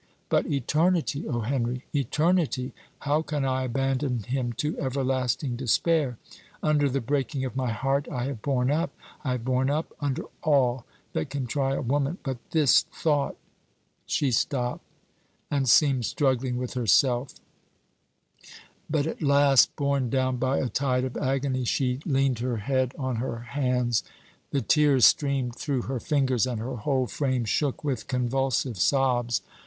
But eternity! O Henry! eternity how can I abandon him to everlasting despair! Under the breaking of my heart I have borne up. I have borne up under all that can try a woman; but this thought " She stopped, and seemed struggling with herself; but at last, borne down by a tide of agony, she leaned her head on her hands; the tears streamed through her fingers, and her whole frame shook with convulsive sobs.